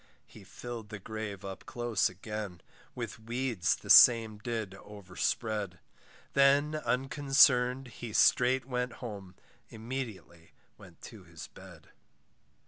He fill'd the grave up close again, With weeds the same did overspread; Then unconcerned, he straight went home, Immediately went to his bed.